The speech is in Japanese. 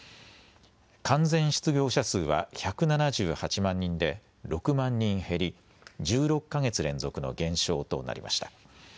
完全失業者数は１７８万人で、６万人減り、１６か月連続の減少となりました。